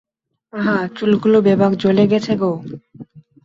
আহা চুলগুলো বেবাক জ্বলে গেছে গো!